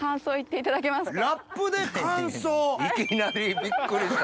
いきなりびっくりした。